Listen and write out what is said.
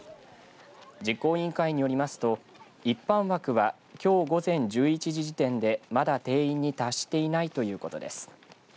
実行委員会によりますと一般枠はきょう午前１１時時点でまだ定員に達していないということです。